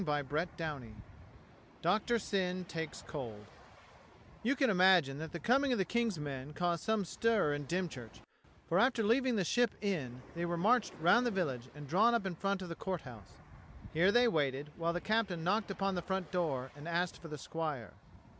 CHAPTER VI DOCTOR SYN TAKES COLD YOU can imagine that the coming of the King's men caused some stir in Dymchurch; for after leaving the Ship Inn they were marched round the village and drawn up in front of the Court House. Here they waited while the captain knocked upon the front door and asked for the squire.